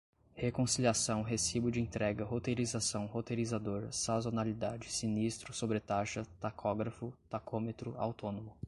reconciliação recibo de entrega roteirização roteirizador sazonalidade sinistro sobretaxa tacógrafo tacômetro autônomo